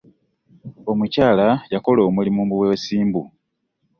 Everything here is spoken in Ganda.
Omukyala yakola omulimu mu bwesimbu.